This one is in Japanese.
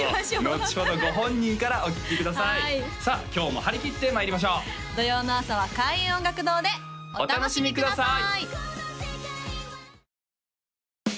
のちほどご本人からお聞きくださいさあ今日も張り切ってまいりましょう土曜の朝は開運音楽堂でお楽しみください！